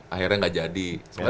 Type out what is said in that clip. akhirnya nggak jadi